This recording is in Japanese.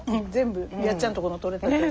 全部やっちゃんとこの取れたて。